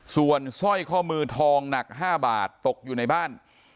ส่วนสร้อยข้อมือทองหนัก๕บาทตกอยู่ในบ้าน